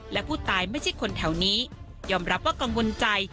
และผู้ตายไม่ใช่คนแถวนี้ยอมรับว่ากังวลใจ